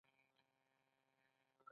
حتی کېدای شي د ټولنې اکثریت وي.